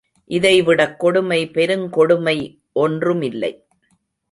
இதைவிடக் கொடுமை பெருங்கொடுமை ஒன்று மில்லை.